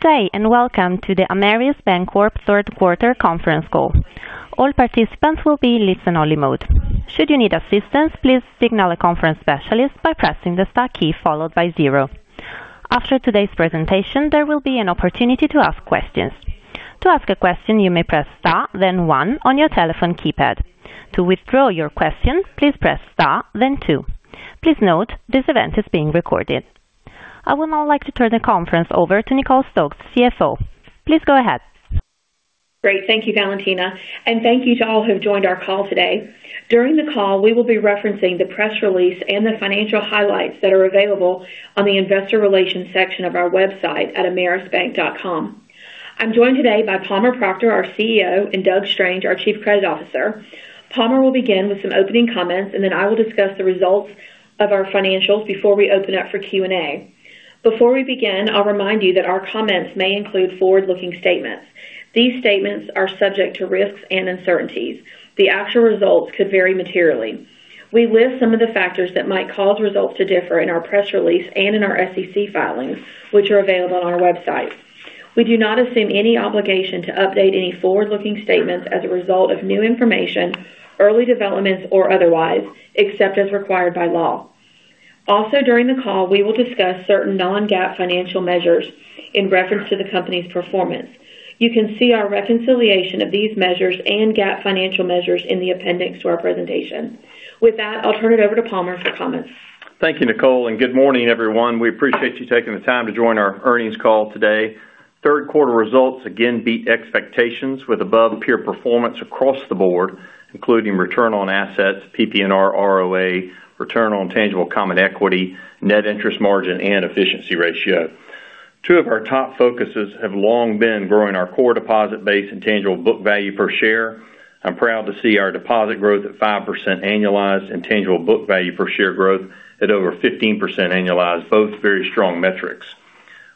Good day and welcome to the Ameris Bancorp third quarter conference call. All participants will be in listen-only mode. Should you need assistance, please signal a conference specialist by pressing the star key followed by zero. After today's presentation, there will be an opportunity to ask questions. To ask a question, you may press star, then one on your telephone keypad. To withdraw your question, please press star, then two. Please note this event is being recorded. I would now like to turn the conference over to Nicole Stokes, CFO. Please go ahead. Great, thank you, Valentina, and thank you to all who have joined our call today. During the call, we will be referencing the press release and the financial highlights that are available on the investor relations section of our website at amerisbank.com. I'm joined today by Palmer Proctor, our CEO, and Douglas Strange, our Chief Credit Officer. Palmer will begin with some opening comments, and then I will discuss the results of our financials before we open up for Q&A. Before we begin, I'll remind you that our comments may include forward-looking statements. These statements are subject to risks and uncertainties. The actual results could vary materially. We list some of the factors that might cause results to differ in our press release and in our SEC filings, which are available on our website. We do not assume any obligation to update any forward-looking statements as a result of new information, early developments, or otherwise, except as required by law. Also, during the call, we will discuss certain non-GAAP financial measures in reference to the company's performance. You can see our reconciliation of these measures and GAAP financial measures in the appendix to our presentation. With that, I'll turn it over to Palmer for comments. Thank you, Nicole, and good morning, everyone. We appreciate you taking the time to join our earnings call today. Third quarter results again beat expectations with above peer performance across the board, including return on assets, PP&R ROA, return on tangible common equity, net interest margin, and efficiency ratio. Two of our top focuses have long been growing our core deposit base and tangible book value per share. I'm proud to see our deposit growth at 5% annualized and tangible book value per share growth at over 15% annualized, both very strong metrics.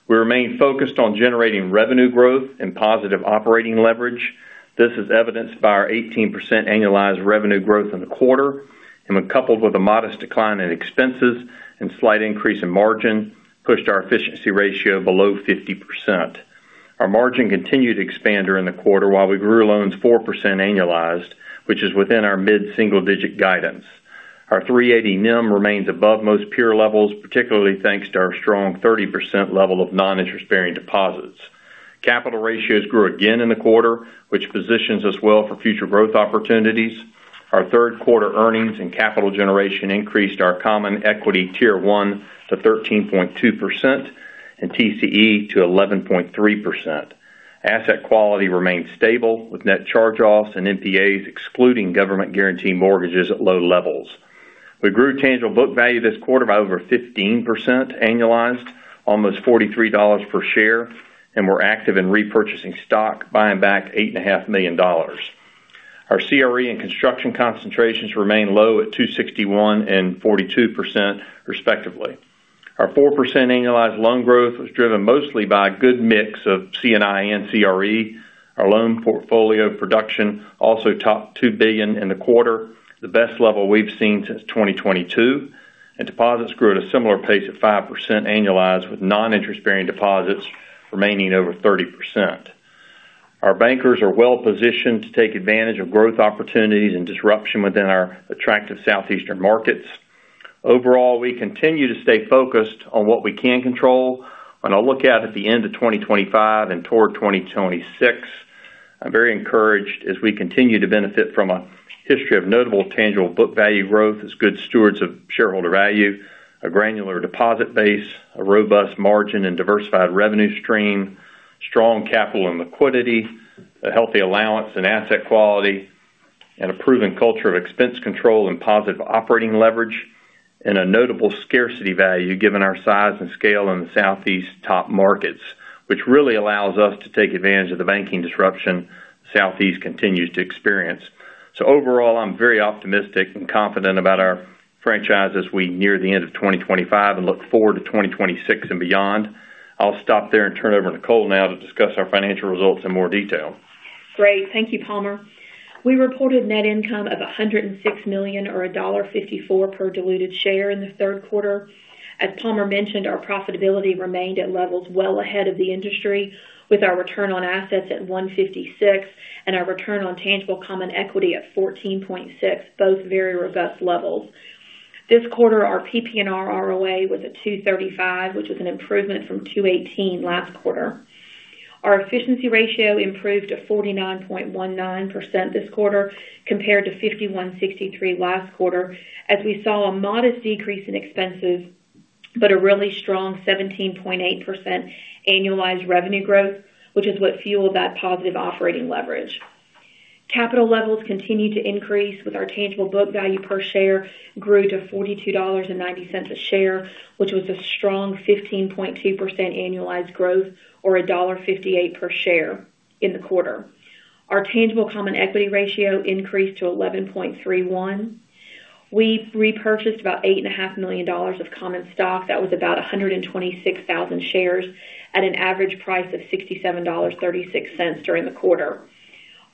We remain focused on generating revenue growth and positive operating leverage. This is evidenced by our 18% annualized revenue growth in the quarter, and when coupled with a modest decline in expenses and slight increase in margin, pushed our efficiency ratio below 50%. Our margin continued to expand during the quarter while we grew loan 4% annualized, which is within our mid-single-digit guidance. Our 3.80% NIM remains above most peer levels, particularly thanks to our strong 30% level of non-interest-bearing deposits. Capital ratios grew again in the quarter, which positions us well for future growth opportunities. Our third quarter earnings and capital generation increased our common equity tier one to 13.2% and TCE to 11.3%. Asset quality remains stable with net charge-offs and NPAs, excluding government-guaranteed mortgages at low levels. We grew tangible book value this quarter by over 15% annualized, almost $43 per share, and we're active in repurchasing stock, buying back $8.5 million. Our CRE and construction concentrations remain low at 261% and 42%, respectively. Our 4% annualized loan growth was driven mostly by a good mix of C&I and CRE. Our loan portfolio production also topped $2 billion in the quarter, the best level we've seen since 2022, and deposits grew at a similar pace at 5% annualized with non-interest-bearing deposits remaining over 30%. Our bankers are well-positioned to take advantage of growth opportunities and disruption within our attractive Southeastern markets. Overall, we continue to stay focused on what we can control and look at the end of 2025 and toward 2026. I'm very encouraged as we continue to benefit from a history of notable tangible book value growth as good stewards of shareholder value, a granular deposit base, a robust margin and diversified revenue stream, strong capital and liquidity, a healthy allowance and asset quality, and a proven culture of expense control and positive operating leverage, and a notable scarcity value given our size and scale in the Southeast top markets, which really allows us to take advantage of the banking disruption the Southeast continues to experience. Overall, I'm very optimistic and confident about our franchise as we near the end of 2025 and look forward to 2026 and beyond. I'll stop there and turn it over to Nicole now to discuss our financial results in more detail. Great, thank you, Palmer. We reported net income of $106 million, or $1.54 per diluted share in the third quarter. As Palmer mentioned, our profitability remained at levels well ahead of the industry, with our return on assets at 1.56% and our return on tangible common equity at 14.6%, both very robust levels. This quarter, our PP&R ROA was at 2.35%, which was an improvement from 2.18% last quarter. Our efficiency ratio improved to 49.19% this quarter compared to 51.63% last quarter, as we saw a modest decrease in expenses but a really strong 17.8% annualized revenue growth, which is what fueled that positive operating leverage. Capital levels continued to increase, with our tangible book value per share grew to $42.90 a share, which was a strong 15.2% annualized growth, or $1.58 per share in the quarter. Our tangible common equity ratio increased to 11.31%. We repurchased about $8.5 million of common stock. That was about 126,000 shares at an average price of $67.36 during the quarter.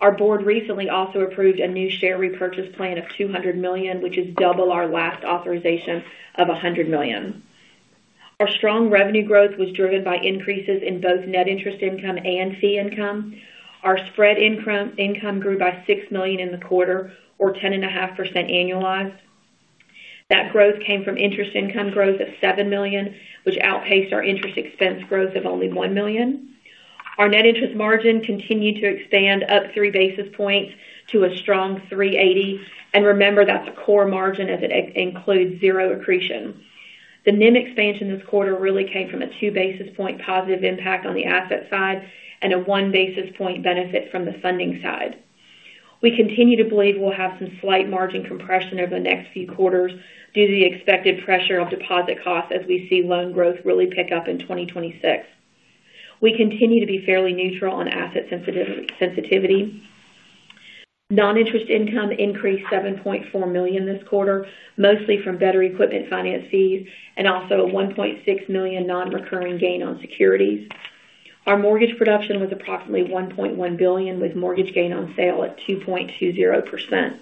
Our board recently also approved a new share repurchase plan of $200 million, which is double our last authorization of $100 million. Our strong revenue growth was driven by increases in both net interest income and fee income. Our spread income grew by $6 million in the quarter, or 10.5% annualized. That growth came from interest income growth at $7 million, which outpaced our interest expense growth of only $1 million. Our net interest margin continued to expand up three basis points to a strong 3.80%, and remember that's a core margin as it includes zero accretion. The NIM expansion this quarter really came from a two basis point positive impact on the asset side and a one basis point benefit from the funding side. We continue to believe we'll have some slight margin compression over the next few quarters due to the expected pressure of deposit costs as we see loan growth really pick up in 2026. We continue to be fairly neutral on asset sensitivity. Non-interest income increased $7.4 million this quarter, mostly from better equipment finance fees and also a $1.6 million non-recurring gain on securities. Our mortgage production was approximately $1.1 billion, with mortgage gain on sale at 2.20%.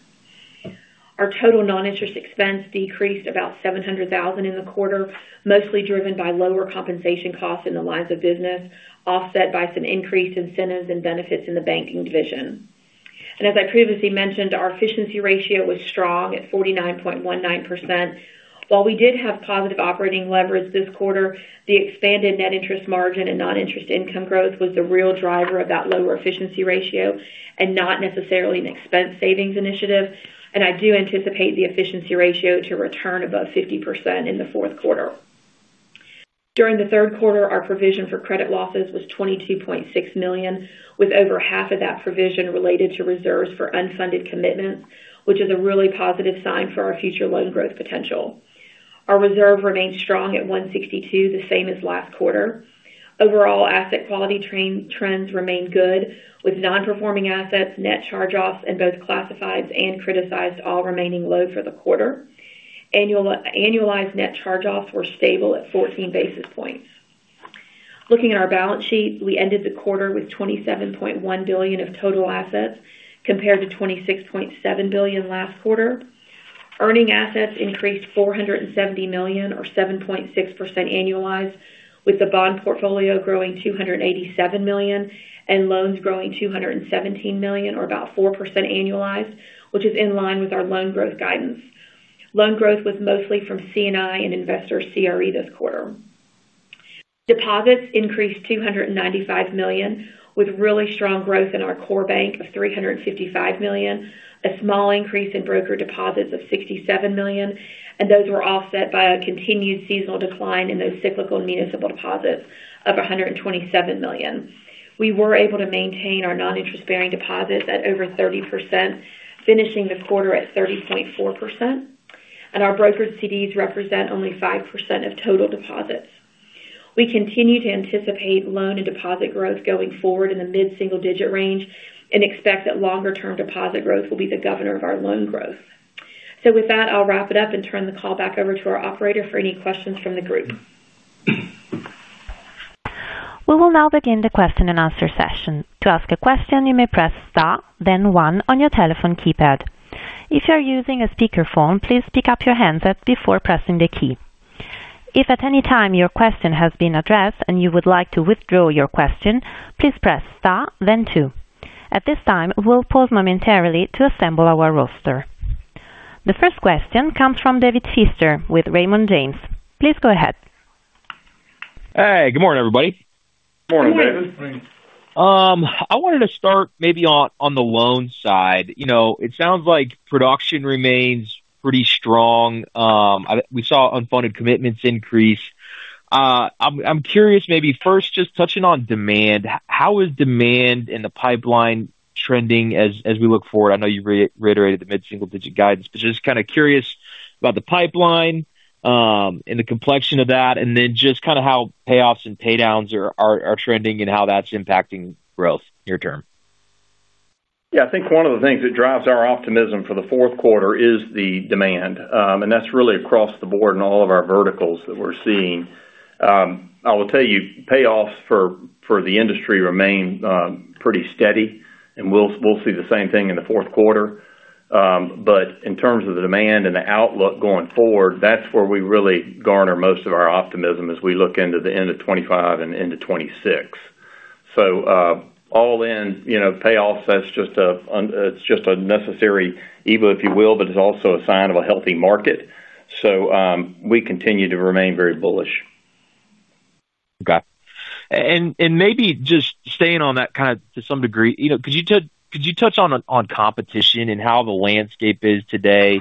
Our total non-interest expense decreased about $700,000 in the quarter, mostly driven by lower compensation costs in the lines of business, offset by some increased incentives and benefits in the banking division. As I previously mentioned, our efficiency ratio was strong at 49.19%. While we did have positive operating leverage this quarter, the expanded net interest margin and non-interest income growth was the real driver of that lower efficiency ratio and not necessarily an expense savings initiative. I do anticipate the efficiency ratio to return above 50% in the fourth quarter. During the third quarter, our provision for credit losses was $22.6 million, with over half of that provision related to reserves for unfunded commitments, which is a really positive sign for our future loan growth potential. Our reserve remains strong at 162%, the same as last quarter. Overall, asset quality trends remain good, with non-performing assets, net charge-offs, and both classifieds and criticized all remaining low for the quarter. Annualized net charge-offs were stable at 14 basis points. Looking at our balance sheet, we ended the quarter with $27.1 billion of total assets compared to $26.7 billion last quarter. Earning assets increased $470 million, or 7.6% annualized, with the bond portfolio growing $287 million and loans growing $217 million, or about 4% annualized, which is in line with our loan growth guidance. Loan growth was mostly from C&I and investors' CRE this quarter. Deposits increased $295 million, with really strong growth in our core bank of $355 million, a small increase in broker deposits of $67 million, and those were offset by a continued seasonal decline in those cyclical municipal deposits of $127 million. We were able to maintain our non-interest-bearing deposits at over 30%, finishing the quarter at 30.4%, and our brokered CDs represent only 5% of total deposits. We continue to anticipate loan and deposit growth going forward in the mid-single-digit range and expect that longer-term deposit growth will be the governor of our loan growth. With that, I'll wrap it up and turn the call back over to our operator for any questions from the group. We will now begin the question-and-answer session. To ask a question, you may press star, then one on your telephone keypad. If you're using a speaker phone, please pick up your handset before pressing the key. If at any time your question has been addressed and you would like to withdraw your question, please press star, then two. At this time, we'll pause momentarily to assemble our roster. The first question comes from David Pfister with Raymond James. Please go ahead. Hey, good morning, everybody. Morning, David. I wanted to start maybe on the loan side. It sounds like production remains pretty strong. We saw unfunded commitments increase. I'm curious, maybe first just touching on demand. How is demand in the pipeline trending as we look forward? I know you reiterated the mid-single-digit guidance, but just kind of curious about the pipeline and the complexion of that, and then just kind of how payoffs and paydowns are trending and how that's impacting growth near term. Yeah, I think one of the things that drives our optimism for the fourth quarter is the demand, and that's really across the board in all of our verticals that we're seeing. I will tell you, payoffs for the industry remain pretty steady, and we'll see the same thing in the fourth quarter. In terms of the demand and the outlook going forward, that's where we really garner most of our optimism as we look into the end of 2025 and into 2026. All in, you know, payoffs, that's just a necessary evil, if you will, but it's also a sign of a healthy market. We continue to remain very bullish. Okay. Maybe just staying on that to some degree, could you touch on competition and how the landscape is today?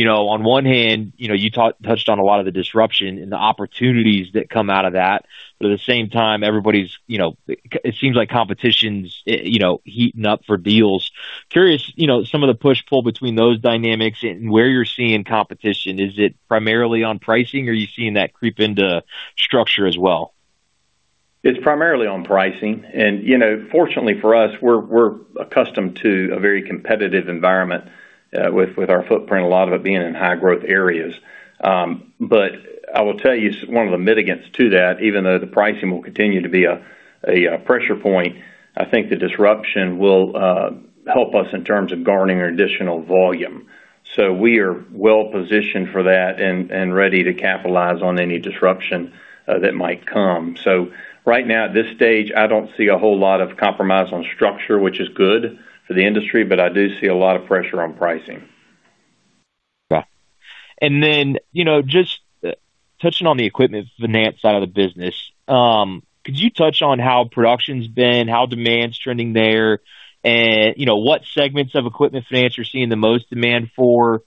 On one hand, you touched on a lot of the disruption and the opportunities that come out of that, but at the same time, everybody's, it seems like competition's heating up for deals. Curious, some of the push-pull between those dynamics and where you're seeing competition. Is it primarily on pricing, or are you seeing that creep into structure as well? It's primarily on pricing, and fortunately for us, we're accustomed to a very competitive environment with our footprint, a lot of it being in high-growth areas. I will tell you, one of the mitigants to that, even though the pricing will continue to be a pressure point, is I think the disruption will help us in terms of garnering additional volume. We are well-positioned for that and ready to capitalize on any disruption that might come. Right now at this stage, I don't see a whole lot of compromise on structure, which is good for the industry, but I do see a lot of pressure on pricing. Wow. Just touching on the equipment finance side of the business, could you touch on how production's been, how demand's trending there, and what segments of equipment finance you're seeing the most demand for?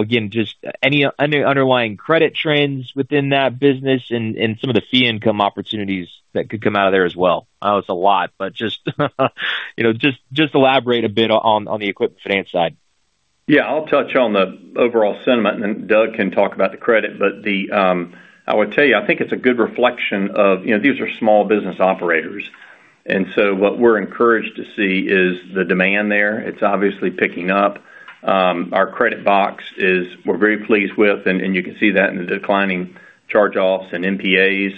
Again, just any underlying credit trends within that business and some of the fee income opportunities that could come out of there as well. I know it's a lot, but just elaborate a bit on the equipment finance side. Yeah, I'll touch on the overall sentiment, and then Doug can talk about the credit. I would tell you, I think it's a good reflection of, you know, these are small business operators. What we're encouraged to see is the demand there. It's obviously picking up. Our credit box is, we're very pleased with, and you can see that in the declining charge-offs and NPAs.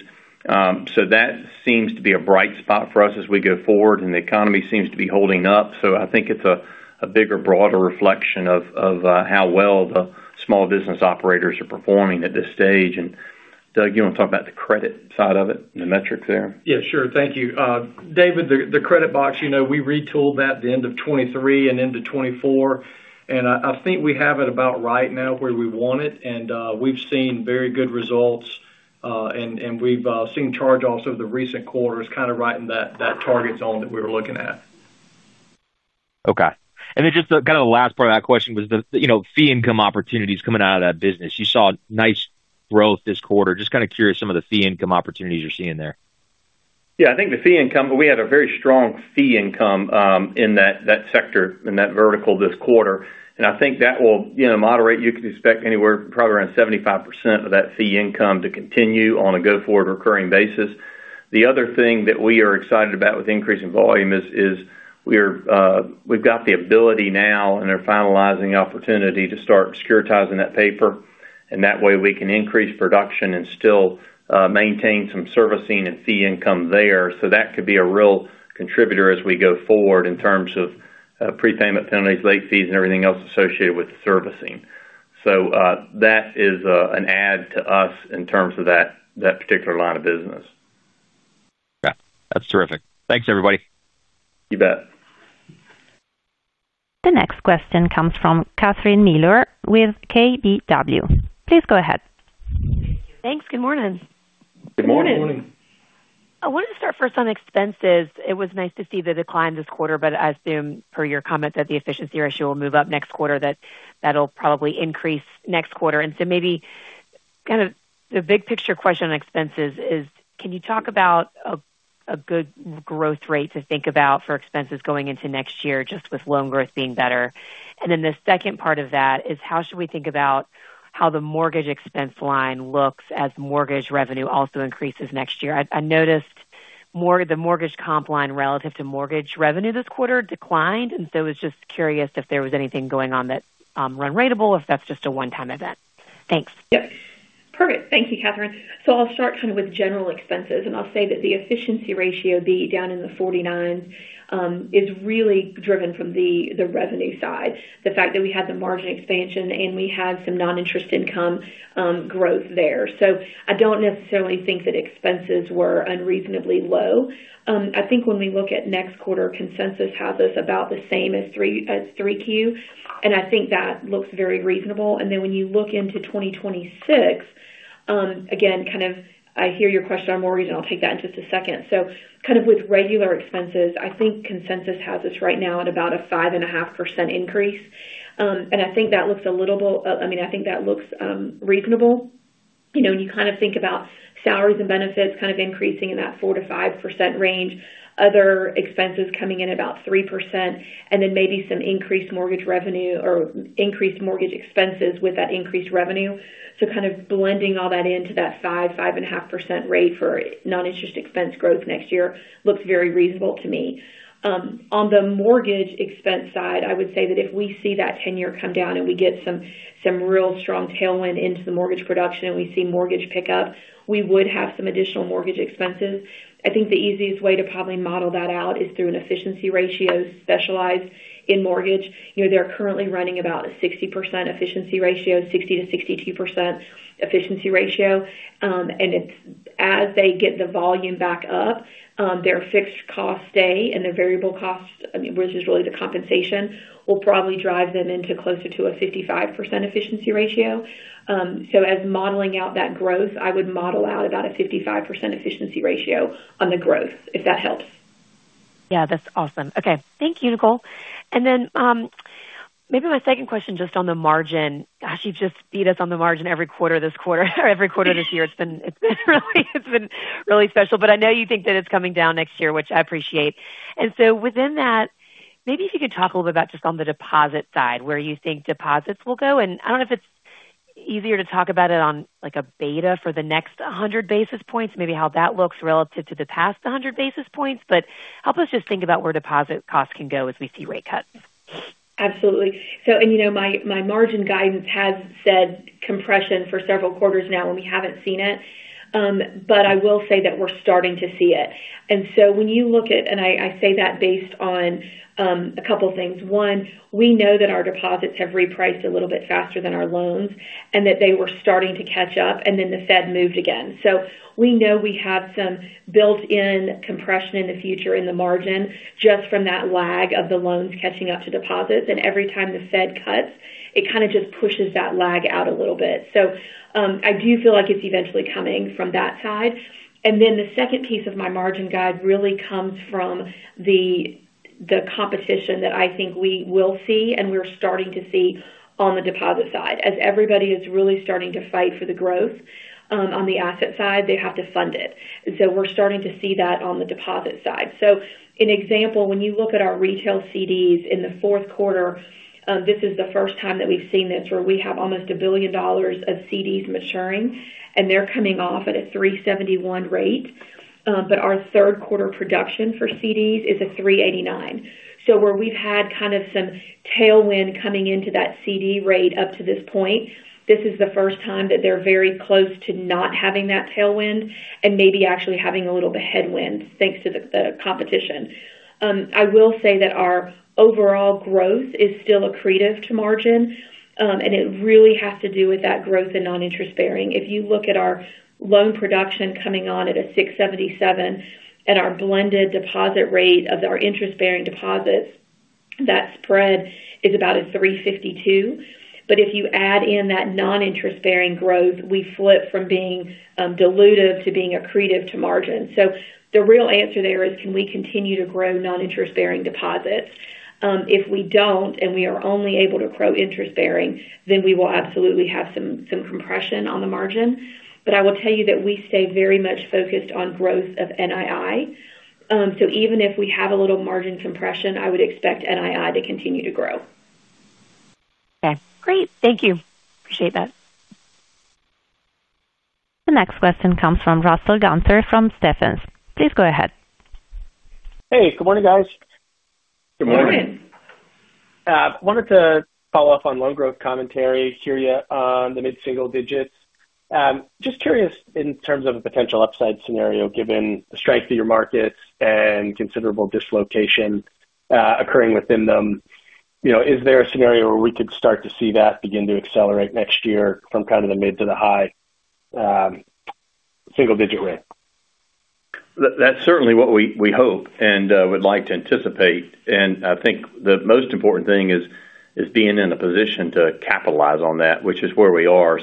That seems to be a bright spot for us as we go forward, and the economy seems to be holding up. I think it's a bigger, broader reflection of how well the small business operators are performing at this stage. Doug, you want to talk about the credit side of it and the metrics there? Yeah, sure. Thank you. David, the credit box, you know, we retooled that at the end of 2023 and into 2024, and I think we have it about right now where we want it, and we've seen very good results, and we've seen charge-offs over the recent quarters, kind of right in that target zone that we were looking at. Okay. Just kind of the last part of that question was the fee income opportunities coming out of that business. You saw nice growth this quarter. Just kind of curious some of the fee income opportunities you're seeing there. Yeah, I think the fee income, we had a very strong fee income in that sector, in that vertical this quarter, and I think that will moderate. You can expect anywhere probably around 75% of that fee income to continue on a go-forward recurring basis. The other thing that we are excited about with increasing volume is we've got the ability now and are finalizing the opportunity to start securitizing that paper, and that way we can increase production and still maintain some servicing and fee income there. That could be a real contributor as we go forward in terms of prepayment penalties, late fees, and everything else associated with the servicing. That is an add to us in terms of that particular line of business. Okay, that's terrific. Thanks, everybody. You bet. The next question comes from Catherine Mealor with KBW. Please go ahead. Thanks. Good morning. Good morning. Good morning. I wanted to start first on expenses. It was nice to see the decline this quarter, but I assume per your comment that the efficiency ratio will move up next quarter, that that'll probably increase next quarter. Maybe kind of the big picture question on expenses is, can you talk about a good growth rate to think about for expenses going into next year, just with loan growth being better? The second part of that is, how should we think about how the mortgage expense line looks as mortgage revenue also increases next year? I noticed the mortgage comp line relative to mortgage revenue this quarter declined, and I was just curious if there was anything going on that's unreadable, if that's just a one-time event. Thanks. Yep. Perfect. Thank you, Catherine. I'll start kind of with general expenses, and I'll say that the efficiency ratio, being down in the 49s, is really driven from the revenue side, the fact that we had the margin expansion and we had some non-interest income growth there. I don't necessarily think that expenses were unreasonably low. I think when we look at next quarter, consensus has us about the same as 3Q, and I think that looks very reasonable. When you look into 2026, again, I hear your question on mortgage, and I'll take that in just a second. With regular expenses, I think consensus has us right now at about a 5.5% increase, and I think that looks a little bit, I mean, I think that looks reasonable. You know, when you kind of think about salaries and benefits kind of increasing in that 4%-5% range, other expenses coming in about 3%, and then maybe some increased mortgage revenue or increased mortgage expenses with that increased revenue. Blending all that into that 5%, 5.5% rate for non-interest expense growth next year looks very reasonable to me. On the mortgage expense side, I would say that if we see that tenure come down and we get some real strong tailwind into the mortgage production and we see mortgage pick up, we would have some additional mortgage expenses. I think the easiest way to probably model that out is through an efficiency ratio specialized in mortgage. They're currently running about a 60% efficiency ratio, 60%-62% efficiency ratio. As they get the volume back up, their fixed cost stay and the variable cost, which is really the compensation, will probably drive them into closer to a 55% efficiency ratio. As modeling out that growth, I would model out about a 55% efficiency ratio on the growth, if that helps. Yeah, that's awesome. Okay. Thank you, Nicole. Maybe my second question just on the margin. Gosh, you've just beat us on the margin every quarter this quarter, or every quarter this year. It's been really special, but I know you think that it's coming down next year, which I appreciate. Within that, maybe if you could talk a little bit about just on the deposit side, where you think deposits will go. I don't know if it's easier to talk about it on like a beta for the next 100 basis points, maybe how that looks relative to the past 100 basis points, but help us just think about where deposit costs can go as we see rate cuts. Absolutely. My margin guidance has said compression for several quarters now when we haven't seen it, but I will say that we're starting to see it. When you look at, and I say that based on a couple of things. One, we know that our deposits have repriced a little bit faster than our loans and that they were starting to catch up, and then the Fed moved again. We know we have some built-in compression in the future in the margin just from that lag of the loans catching up to deposits. Every time the Fed cuts, it kind of just pushes that lag out a little bit. I do feel like it's eventually coming from that side. The second piece of my margin guide really comes from the competition that I think we will see and we're starting to see on the deposit side. As everybody is really starting to fight for the growth on the asset side, they have to fund it. We're starting to see that on the deposit side. An example, when you look at our retail CDs in the fourth quarter, this is the first time that we've seen this where we have almost $1 billion of CDs maturing, and they're coming off at a 3.71% rate. Our third quarter production for CDs is a 3.89%. Where we've had kind of some tailwind coming into that CD rate up to this point, this is the first time that they're very close to not having that tailwind and maybe actually having a little bit of headwind thanks to the competition. I will say that our overall growth is still accretive to margin, and it really has to do with that growth in non-interest-bearing. If you look at our loan production coming on at a 6.77% and our blended deposit rate of our interest-bearing deposits, that spread is about a 3.52%. If you add in that non-interest-bearing growth, we flip from being dilutive to being accretive to margin. The real answer there is, can we continue to grow non-interest-bearing deposits? If we don't and we are only able to grow interest-bearing, then we will absolutely have some compression on the margin. I will tell you that we stay very much focused on growth of NII. Even if we have a little margin compression, I would expect NII to continue to grow. Okay, great. Thank you. Appreciate that. The next question comes from Russell Gunther from Stephens. Please go ahead. Hey, good morning, guys. Good morning. Morning. I wanted to follow up on loan growth commentary. Hear you on the mid-single digits. I'm just curious in terms of a potential upside scenario given the strength of your markets and considerable dislocation occurring within them. Is there a scenario where we could start to see that begin to accelerate next year from kind of the mid to the high single-digit rate? That's certainly what we hope and would like to anticipate. I think the most important thing is being in a position to capitalize on that, which is where we are.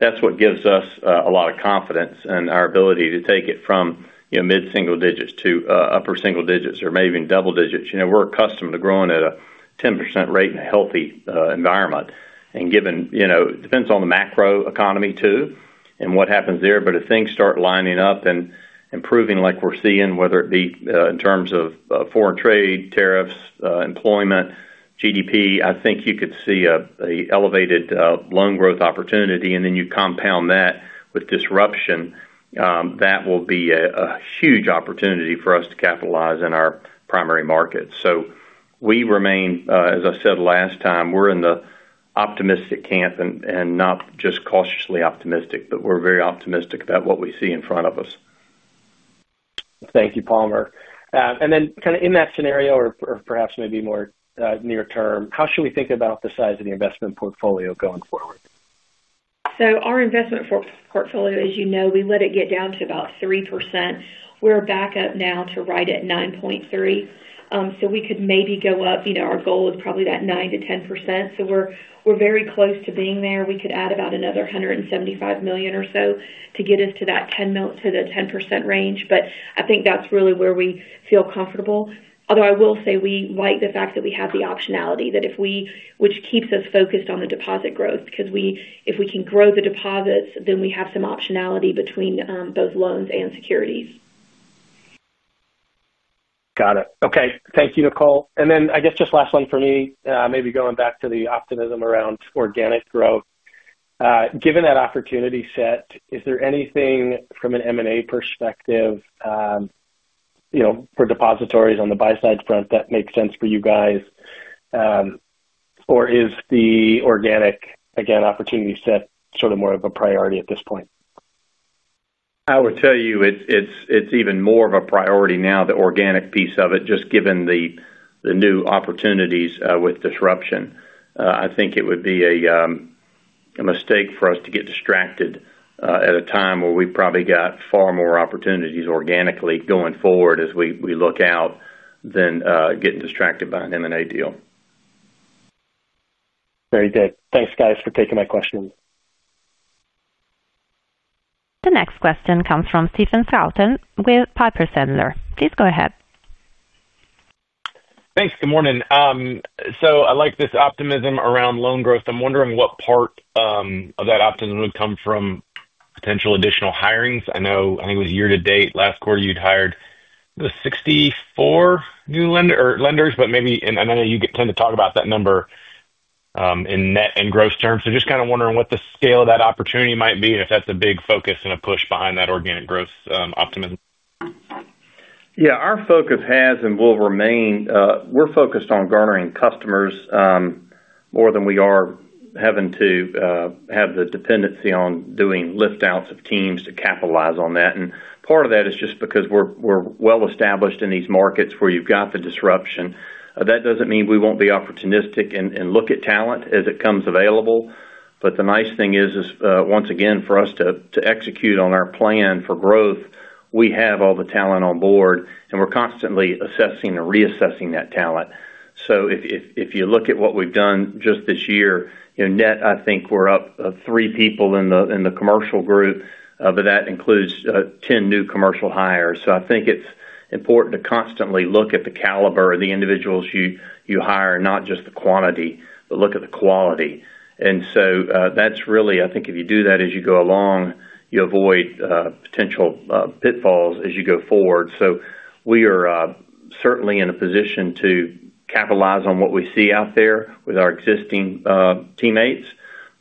That's what gives us a lot of confidence in our ability to take it from mid-single digits to upper single digits or maybe even double digits. You know, we're accustomed to growing at a 10% rate in a healthy environment. Given, you know, it depends on the macro economy too and what happens there. If things start lining up and improving like we're seeing, whether it be in terms of foreign trade, tariffs, employment, GDP, I think you could see an elevated loan growth opportunity. You compound that with disruption, that will be a huge opportunity for us to capitalize in our primary markets. We remain, as I said last time, we're in the optimistic camp and not just cautiously optimistic, but we're very optimistic about what we see in front of us. Thank you, Palmer. In that scenario, or perhaps maybe more near term, how should we think about the size of the investment portfolio going forward? Our investment portfolio, as you know, we let it get down to about 3%. We're back up now to right at 9.3%. Our goal is probably that 9%-10%, so we're very close to being there. We could add about another $175 million or so to get us to that 10% range. I think that's really where we feel comfortable. I will say we like the fact that we have the optionality, which keeps us focused on the deposit growth, because if we can grow the deposits, then we have some optionality between both loans and securities. Got it. Okay. Thank you, Nicole. I guess just last one for me, maybe going back to the optimism around organic growth. Given that opportunity set, is there anything from an M&A perspective, you know, for depositories on the buy-side front that makes sense for you guys? Is the organic, again, opportunity set sort of more of a priority at this point? I would tell you it's even more of a priority now, the organic piece of it, just given the new opportunities with disruption. I think it would be a mistake for us to get distracted at a time where we probably got far more opportunities organically going forward as we look out than getting distracted by an M&A deal. Very good. Thanks, guys, for taking my question. The next question comes from Stephen Scouten with Piper Sandler. Please go ahead. Thanks. Good morning. I like this optimism around loan growth. I'm wondering what part of that optimism would come from potential additional hirings. I know, I think it was year to date, last quarter you'd hired, it was 64 new lenders, but maybe, and I know you tend to talk about that number in net and gross terms. Just kind of wondering what the scale of that opportunity might be and if that's a big focus and a push behind that organic growth optimism. Yeah, our focus has and will remain. We're focused on garnering customers more than we are having to have the dependency on doing liftouts of teams to capitalize on that. Part of that is just because we're well-established in these markets where you've got the disruption. That doesn't mean we won't be opportunistic and look at talent as it comes available. The nice thing is, once again, for us to execute on our plan for growth, we have all the talent on board, and we're constantly assessing and reassessing that talent. If you look at what we've done just this year, net, I think we're up three people in the commercial group, but that includes 10 new commercial hires. I think it's important to constantly look at the caliber of the individuals you hire, not just the quantity, but look at the quality. That's really, I think if you do that as you go along, you avoid potential pitfalls as you go forward. We are certainly in a position to capitalize on what we see out there with our existing teammates.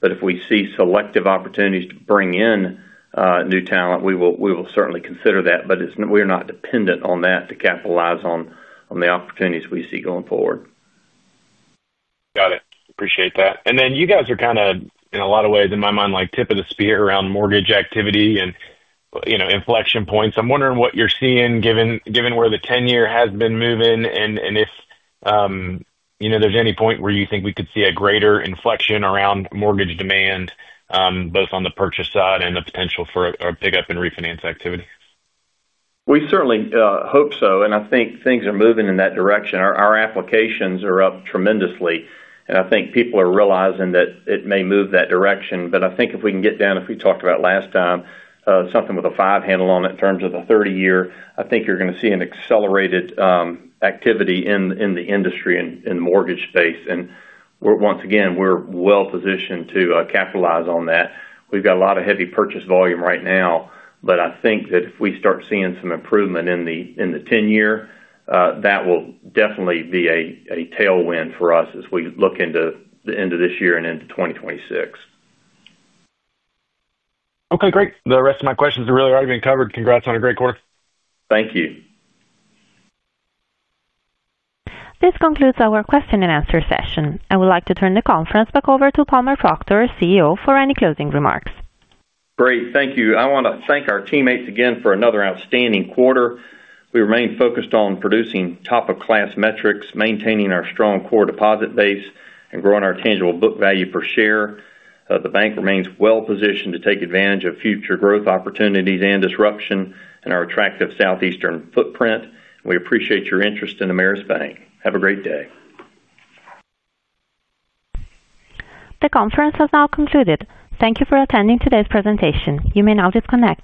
If we see selective opportunities to bring in new talent, we will certainly consider that. We are not dependent on that to capitalize on the opportunities we see going forward. Got it. Appreciate that. You guys are kind of, in a lot of ways, in my mind, like tip of the spear around mortgage activity and, you know, inflection points. I'm wondering what you're seeing given where the 10-year has been moving and if, you know, there's any point where you think we could see a greater inflection around mortgage demand, both on the purchase side and the potential for a pickup in refinance activity. We certainly hope so, and I think things are moving in that direction. Our applications are up tremendously, and I think people are realizing that it may move that direction. If we can get down, as we talked about last time, something with a five-handle on it in terms of the 30-year, I think you're going to see an accelerated activity in the industry in the mortgage space. Once again, we're well-positioned to capitalize on that. We've got a lot of heavy purchase volume right now, and I think that if we start seeing some improvement in the 10-year, that will definitely be a tailwind for us as we look into the end of this year and into 2026. Okay, great. The rest of my questions have really already been covered. Congrats on a great quarter. Thank you. This concludes our question and answer session. I would like to turn the conference back over to H. Palmer Proctor Jr., CEO, for any closing remarks. Great, thank you. I want to thank our teammates again for another outstanding quarter. We remain focused on producing top-of-class metrics, maintaining our strong core deposit base, and growing our tangible book value per share. The bank remains well-positioned to take advantage of future growth opportunities and disruption in our attractive Southeast footprint. We appreciate your interest in Ameris Bancorp. Have a great day. The conference has now concluded. Thank you for attending today's presentation. You may now disconnect.